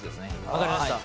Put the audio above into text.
分かりました。